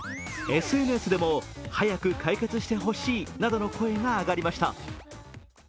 ＳＮＳでも早く解決してほしいなどの声が上がりました。